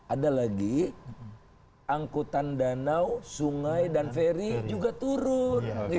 ada lagi angkutan danau sungai dan ferry juga turun